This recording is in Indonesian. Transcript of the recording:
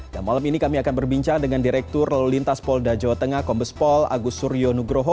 dan malam ini kami akan berbincang dengan direktur lalu lintas polda jawa tengah kombes pol agus suryo nugroho